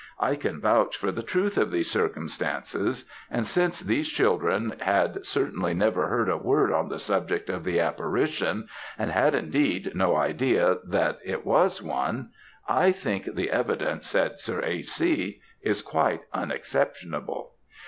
I can vouch for the truth of these circumstances; and since these children had, certainly, never heard a word on the subject of the apparition, and had, indeed, no idea that it was one, 'I think the evidence,' said Sir A. C., 'is quite unexceptionable.'